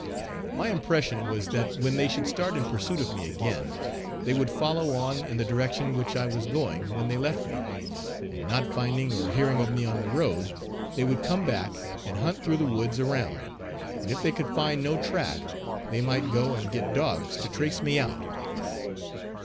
My impression was that when they should start in pursuit of me again, they would follow on in the direction which I was going when they left me; and not finding or hearing of me on the road, they would come back and hunt through the woods around, and if they could find no track they might go and get dogs to trace me out.